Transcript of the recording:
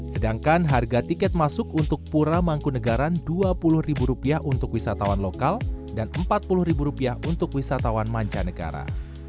sedangkan harga tiket masuk untuk pura mangkunegaran rp dua puluh untuk wisatawan lokal dan rp empat puluh untuk wisatawan mancanegara